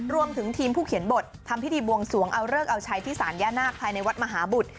รวมถึงทีมผู้เขียนบททำพิธีบวงสวงเอาเลิกเอาใช้ที่สารย่านาคภายในวัดมหาบุตร